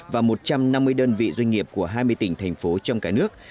và một trăm năm mươi đơn vị doanh nghiệp của hai mươi tỉnh thành phố trong cả nước